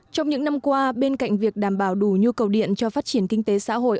trong những năm qua bên cạnh việc đảm bảo đủ nhu cầu điện cho phát triển kinh tế xã hội